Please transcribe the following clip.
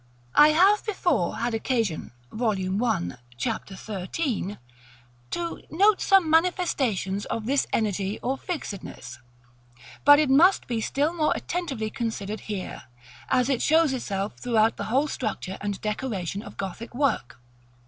§ LXXIV. I have before had occasion (Vol. I. Chap. XIII. § VII.) to note some manifestations of this energy or fixedness; but it must be still more attentively considered here, as it shows itself throughout the whole structure and decoration of Gothic work.